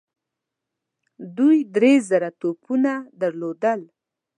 دوی درې زاړه توپونه درلودل.